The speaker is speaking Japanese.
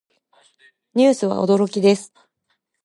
ニュースは驚きです。